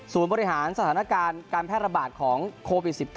บริหารสถานการณ์การแพร่ระบาดของโควิด๑๙